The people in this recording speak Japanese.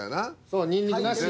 そうにんにくなし。